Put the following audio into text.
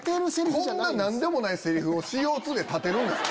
こんな何でもないセリフをＣＯ２で立てるんですか？